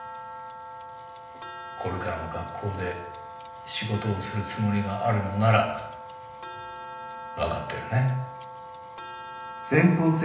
これからも学校で仕事をするつもりがあるのなら分かってるね？